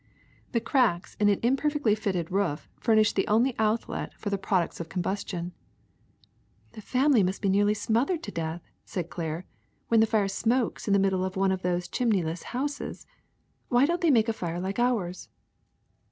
The cracks in an imperfectly fitted roof furnish the only outlet for the products of combustion." *^The family must be nearly smothered to death," said Claire, ^Svhen the fire smokes in the middle of one of those chimneyless houses. Why don't they make a fire like ours